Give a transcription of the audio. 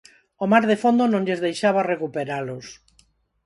O mar de fondo non lles deixaba recuperalos.